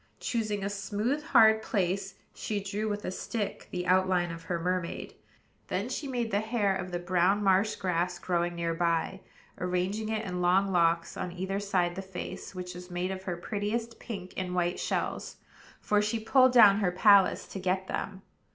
Choosing a smooth, hard place, she drew with a stick the outline of her mermaid; then she made the hair of the brown marsh grass growing near by, arranging it in long locks on either side the face, which was made of her prettiest pink and white shells, for she pulled down her palace to get them.